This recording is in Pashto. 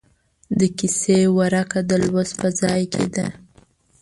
د کیسې ورکه د لوست په ځای کې ده.